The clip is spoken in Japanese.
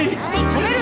止める！